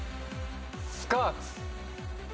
スカーツ。